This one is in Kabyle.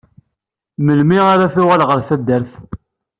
Melmi ara tuɣal ɣer taddart?